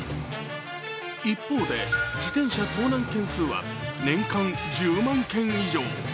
一方で自転車盗難件数は年間１０万件以上。